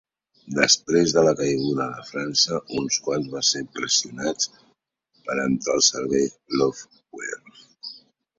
Després de la caiguda de França, uns quants van ser pressionats per a entrar al servei "Luftwaffe".